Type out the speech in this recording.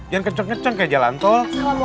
jangan kenceng kenceng kayak jalan tol